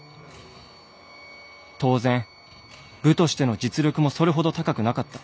当然部としての実力もそれほど高くなかった。